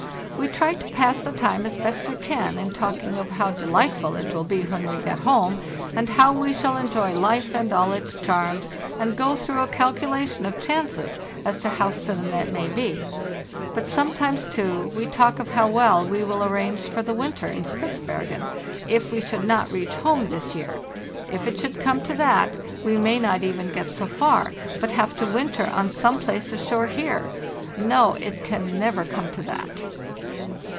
We try to pass the time as best we can in talking of how delightful it will be when we get home, and how we shall enjoy life and all its charms, and go through a calculation of chances as to how soon that may be; but sometimes, too, we talk of how well we will arrange for the winter in Spitzbergen, if we should not reach home this year. If it should come to that, we may not even get so far, but have to winter on some place ashore here—no, it can never come to that!